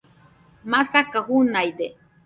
masaka junaide